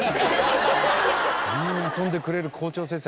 あんな遊んでくれる校長先生